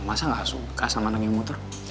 masa gak suka sama anak yang motor